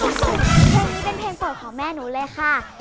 มีเป็นเพลงเฝากของแม่นู่เลยค่ะ